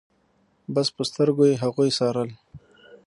بس په سترګو يې هغوی څارل.